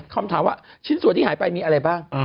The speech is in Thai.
คำถามว่าชิ้นส่วนที่หายไปมีอะไรบ้าง